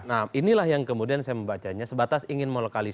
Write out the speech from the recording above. nah inilah yang kemudian saya membacanya